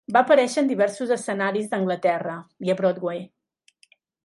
Va aparèixer en diversos escenaris d'Anglaterra, i a Broadway.